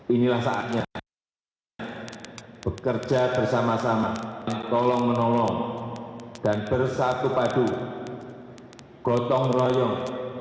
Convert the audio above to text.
inilah saatnya bekerja bersama sama tolong menolong dan bersatu padu gotong royong